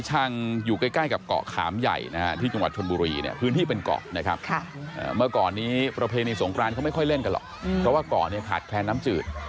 สงกรานเขาไม่ค่อยเล่นกันหรอกเพราะว่าก่อนเนี่ยขาดแคลน้ำจืด